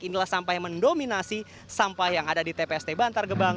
inilah sampah yang mendominasi sampah yang ada di tpst bantar gebang